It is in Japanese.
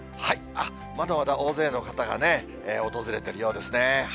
まだまだ大勢の方が訪れてるようですね。